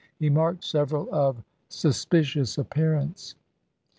He marked several of suspicious appearance.